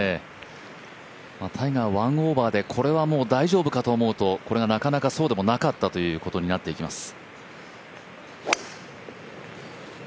タイガー１オーバーでこれは大丈夫かと思うとこれがなかなかそうではなかったということになります。